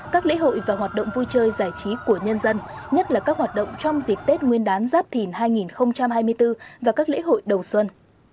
các lễ hội và hoạt động vui chơi giải trí của nhân dân nhất là các hoạt động trong dịp tết nguyên đán giáp thìn hai nghìn hai mươi bốn và các lễ hội đầu xuân